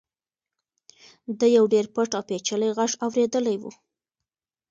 ده یو ډېر پټ او پېچلی غږ اورېدلی و.